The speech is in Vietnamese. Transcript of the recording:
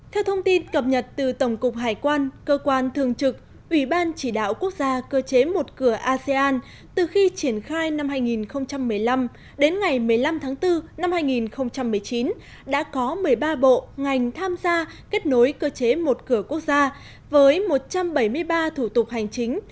theo thông tin cập nhật từ tổng cục hải quan cơ quan thường trực ủy ban chỉ đạo quốc gia cơ chế một cửa asean từ khi triển khai năm hai nghìn một mươi năm đến ngày một mươi năm tháng bốn năm hai nghìn một mươi chín đã có một mươi ba bộ ngành tham gia kết nối cơ chế một cửa quốc gia với một trăm bảy mươi ba thủ tục hành chính